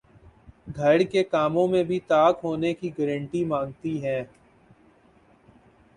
گھر کے کاموں میں بھی طاق ہونے کی گارنٹی مانگتی ہیں